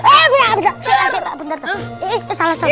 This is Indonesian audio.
terus eh bentar bentar bentar eh salah satu